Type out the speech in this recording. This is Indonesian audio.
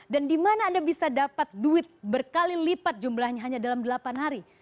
di mana anda bisa dapat duit berkali lipat jumlahnya hanya dalam delapan hari